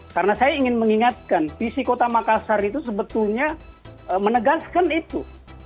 karena saya ingin mengingatkan visi kota makassar itu sebetulnya menegaskan itu